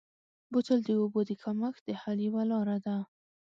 بوتل د اوبو د کمښت د حل یوه لاره ده.